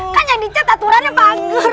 kan yang dicat aturannya bangun